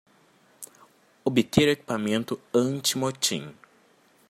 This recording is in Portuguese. Obter o equipamento anti-motim!